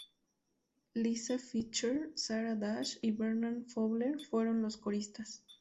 Lisa Fischer, Sarah Dash y Bernard Fowler fueron los coristas.